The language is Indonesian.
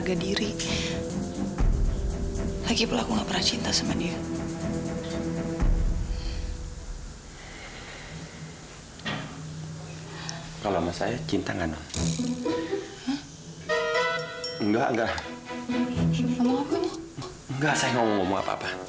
sampai jumpa di video selanjutnya